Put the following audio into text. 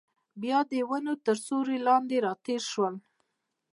بیا د ونو تر سیوري لاندې راتېر شول.